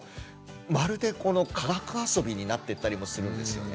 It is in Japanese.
まるでこの科学あそびになってったりもするんですよね。